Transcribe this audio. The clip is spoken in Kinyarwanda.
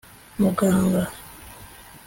Muganga